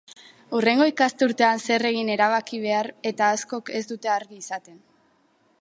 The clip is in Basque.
Hurrengo ikasturtean zer egin erabaki behar eta askok ez dute argi izaten.